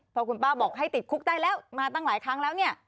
พอคุณป้าบอกให้ติดคุกได้แล้วมาตั้งหลายครั้งแล้วเนี่ย